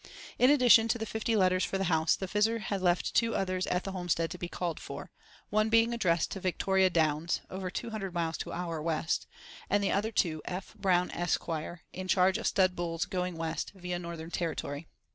In addition to the fifty letters for the house, the Fizzer had left two others at the homestead to be called for—one being addressed to Victoria Downs (over two hundred miles to our west), and the other to— F. BROWN, Esq., IN CHARGE OF STUD BULLS GOING WEST VIA NORTHERN TERRITORY.